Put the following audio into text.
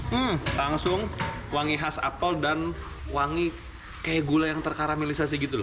hmm langsung wangi khas apel dan wangi kayak gula yang terkaramelisasi gitu loh